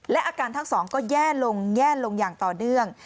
และอาการทั้งสองก็แย่ลงแย่ลงอย่างต่อเนื่อง